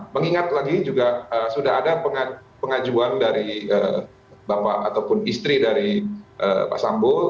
mengingat lagi juga sudah ada pengajuan dari bapak ataupun istri dari pak sambo